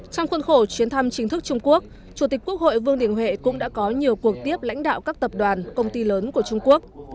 trong khuôn khổ chuyến thăm chính thức trung quốc chủ tịch quốc hội vương đình huệ cũng đã có nhiều cuộc tiếp lãnh đạo các tập đoàn công ty lớn của trung quốc